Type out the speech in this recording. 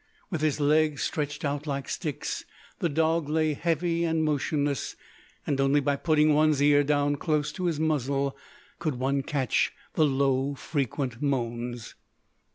With his legs stretched out like sticks, the dog lay heavy and motionless, and only by putting one's ear down close to his muzzle could one catch the low, frequent moans.